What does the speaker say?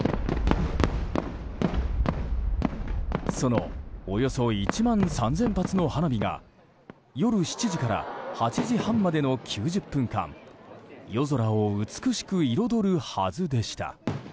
その、およそ１万３０００発の花火が夜７時から８時半までの９０分間夜空を美しく彩るはずでした。